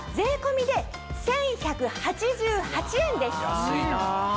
安いなぁ。